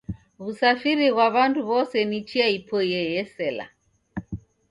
W'usafiri ghwa w'andu w'ose ni chia ipoiye yesela.